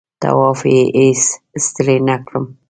طواف یې هېڅ ستړی نه کړم.